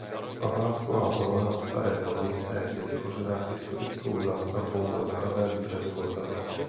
Památková zóna Staré Bohnice je tvořena historickou zástavbou na pravém břehu Vltavy.